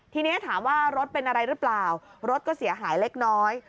ทีนี้ถามว่ารถเป็นอะไรหรือเปล่ารถก็เสียหายเล็กน้อย